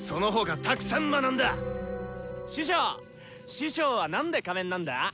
師匠は何で仮面なんだ？